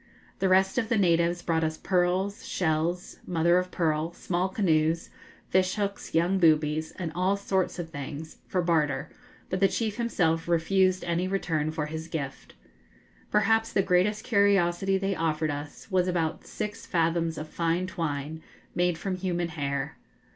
The rest of the natives brought us pearls, shells, mother of pearl, small canoes, fish hooks, young boobies, and all sorts of things, for barter; but the chief himself refused any return for his gift. Perhaps the greatest curiosity they offered us was about six fathoms of fine twine, made from human hair.